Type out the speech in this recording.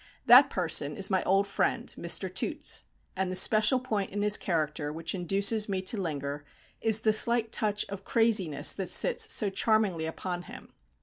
That person is my old friend, Mr. Toots; and the special point in his character which induces me to linger is the slight touch of craziness that sits so charmingly upon him.